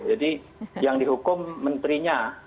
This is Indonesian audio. jadi yang dihukum menterinya